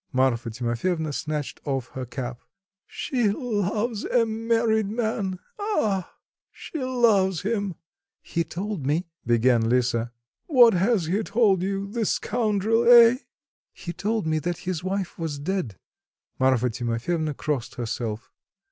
Marfa Timofyevna snatched off her cap. "She loves a married man! Ah! she loves him." "He told me"...began Lisa. "What has he told you, the scoundrel, eh?" "He told me that his wife was dead." Marfa Timofyevna crossed herself.